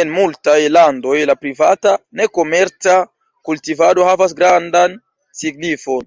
En multaj landoj la privata, ne komerca kultivado havas grandan signifon.